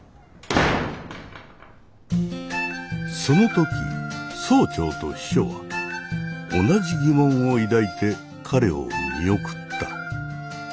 その時総長と秘書は同じ疑問を抱いて彼を見送った。